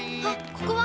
ここは！